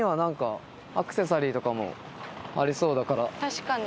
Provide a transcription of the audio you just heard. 確かに。